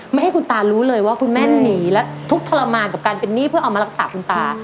ให้คุณตารู้เลยว่าคุณแม่หนีและทุกข์ทรมานกับการเป็นหนี้เพื่อเอามารักษาคุณตา